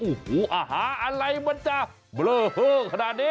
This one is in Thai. โอ้โหอาหารอะไรมันจะเบลอเฮอขนาดนี้